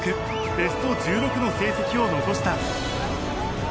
ベスト１６の成績を残した。